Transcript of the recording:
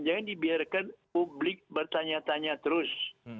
jangan dibiarkan publik bertanya tanya terus